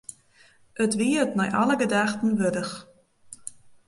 It wie it nei alle gedachten wurdich.